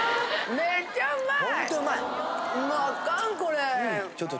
めっちゃうまい。